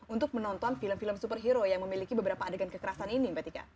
untuk menonton film film superhero yang memiliki beberapa adegan kekerasan ini mbak tika